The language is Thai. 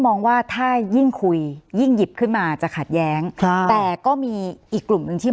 มองว่าถ้ายิ่งคุยยิ่งหยิบขึ้นมาจะขัดแย้งแต่ก็มีอีกกลุ่มหนึ่งที่